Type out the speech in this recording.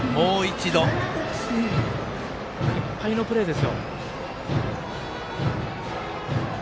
いっぱいのプレーですよ。